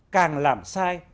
càng làm sai